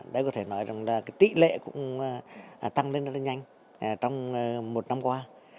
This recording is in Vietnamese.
đấy có thể nói là tỷ lệ cũng tăng lên rất nhanh trong một năm qua